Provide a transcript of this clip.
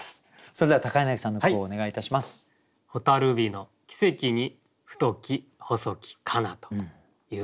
それでは柳さんの句をお願いいたします。